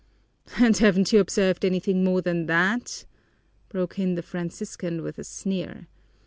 "And haven't you observed anything more than that?" broke in the Franciscan with a sneer.